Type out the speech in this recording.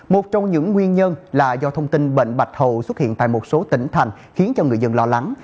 một trong những nguyên nhân là do thông tin bệnh bạch hầu xuất hiện tại một số tỉnh thành khiến cho người dân lo lắng